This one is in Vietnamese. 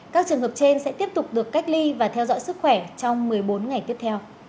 các trường hợp trên sẽ tiếp tục được cách ly và theo dõi sức khỏe trong một mươi bốn ngày tiếp theo